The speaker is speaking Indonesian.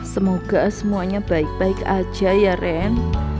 semoga semuanya baik baik aja ya ren